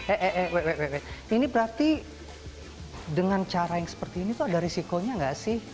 eh eh eh eh eh eh eh ini berarti dengan cara yang seperti ini tuh ada risikonya nggak sih